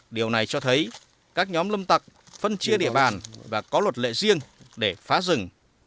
điều này cho thấy các nhóm lâm tặc phân chia địa bàn và có luật lệ riêng để phá rừng